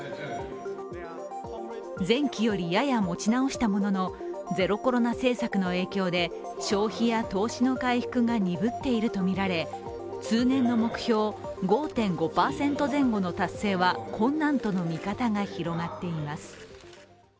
前期よりやや持ち直したものの、ゼロコロナ政策の影響で消費や投資の回復が鈍っているとみられ通年の目標、５．５％前後の達成は困難との見方が広がっています。